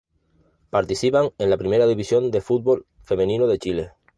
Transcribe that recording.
Participan en la Primera División de fútbol femenino de Chile.